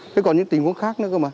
thế còn những tình huống khác nữa cơ mà